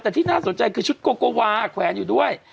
แต่ที่น่าสนใจคือชุดโกโกวาแขวนอยู่ด้วย